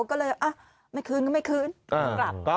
ก็เลยไม่คืนก็ไม่คืนกลับ